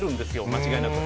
間違いなく。